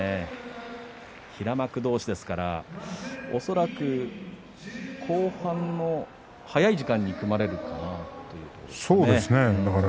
平幕同士ですから、恐らく後半の早い時間に組まれるかなとそうですね。